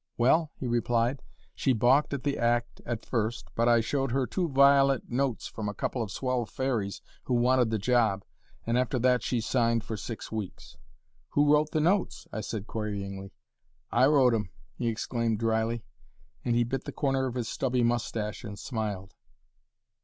"Well," he replied, "she balked at the act at first, but I showed her two violet notes from a couple of swell fairies who wanted the job, and after that she signed for six weeks." "Who wrote the notes?" I said, queryingly. "I wrote 'em!" he exclaimed dryly, and he bit the corner of his stubby mustache and smiled.